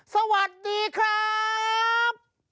สวัสดีครับ